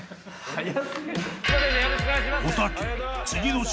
はい。